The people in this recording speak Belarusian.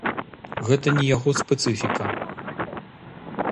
Гэта не яго спецыфіка.